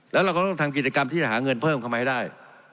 แล้วเราก็ต้องทำกิจกรรมที่จะหาเงินเพิ่มเข้ามาให้ได้